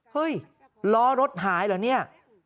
เฮ้ยล้อรถหายเหรอเนี่ย